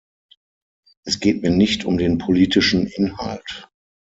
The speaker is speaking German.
Es geht mir nicht um den politischen Inhalt.